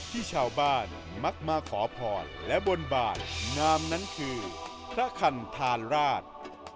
ที่ชาวบ้านมักมาขอพรและบนบาลนามนั้นคือพระคันธาราช